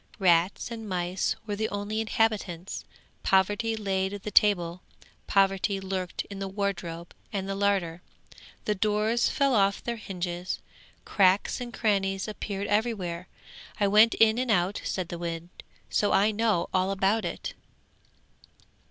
Rats and mice were the only inhabitants. Poverty laid the table; poverty lurked in wardrobe and larder. The doors fell off their hinges, cracks and crannies appeared everywhere; I went in and out,' said the wind, 'so I know all about it.